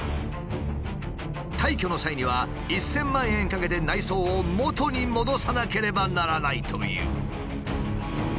退去の際には１，０００万円かけて内装を元に戻さなければならないという。